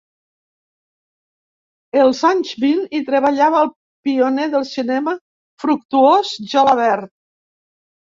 Els anys vint, hi treballava el pioner del cinema Fructuós Gelabert.